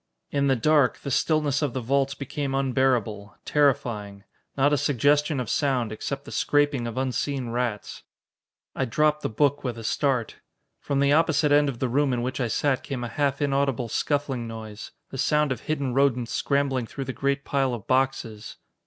In the dark, the stillness of the vaults became unbearable, terrifying. Not a suggestion of sound, except the scraping of unseen rats " I dropped the book with a start. From the opposite end of the room in which I sat came a half inaudible scuffling noise the sound of hidden rodents scrambling through the great pile of boxes.